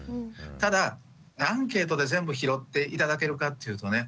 ただアンケートで全部拾って頂けるかっていうとね